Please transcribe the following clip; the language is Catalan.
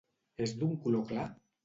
És d'un color clar?